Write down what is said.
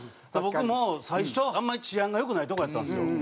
僕も最初あんまり治安が良くないとこやったんですよ。